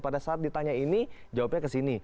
pada saat ditanya ini jawabnya ke sini